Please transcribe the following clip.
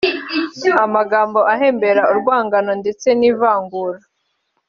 amagambo ahembera urwangano ndetse n’ivangura